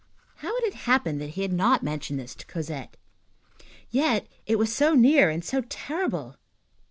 How had it happened that he had not mentioned this to Cosette? Yet it was so near and so terrible!